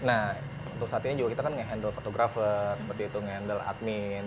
nah untuk saat ini juga kita kan nge handle photographer nge handle admin